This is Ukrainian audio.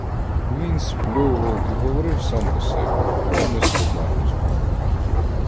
Він спльовував і говорив сам до себе, мов несповна розуму.